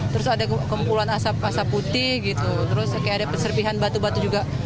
terus ada kempulan asap asap putih gitu terus kayak ada serpihan batu batu juga